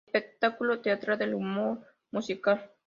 Espectáculo teatral de humor musical.